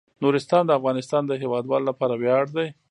نورستان د افغانستان د هیوادوالو لپاره ویاړ دی.